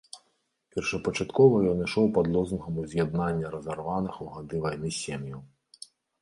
Першапачаткова ён ішоў пад лозунгам уз'яднання разарваных у гады вайны сем'яў.